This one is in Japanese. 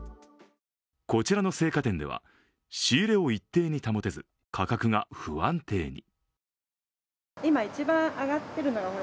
こちらの青果店では仕入れを一定に保てず価格が不安定に。